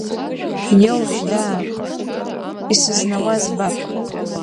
Иоужь даа, исызнауа збап.